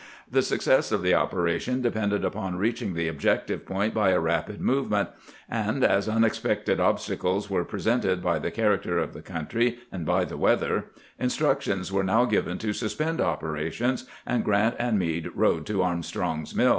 The success of the operation depended upon reaching the objective point by a rapid movement ; and as unexpected obstacles were presented by the char acter of the country and by the weather, instructions were now given to suspend operations, and Grant and Meade rode to Armstrong's MiU.